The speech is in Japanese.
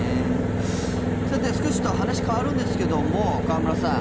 さて少し話は変わるんですけども河村さん